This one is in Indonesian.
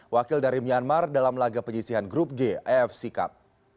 wakil dari myanmar dalam laga penyisihan grup g afc cup